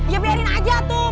ya biarin aja tuh